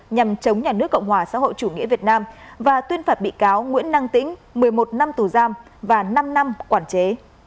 nhằm chống nhà nước cộng hòa xã hội chủ nghĩa việt nam và tuyên phạt bị cáo nguyễn năng tĩnh một mươi một năm tù giam và năm năm quản chế